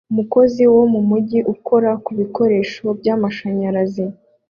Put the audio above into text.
Umukozi wo mumujyi ukora ku bikoresho by'amashanyarazi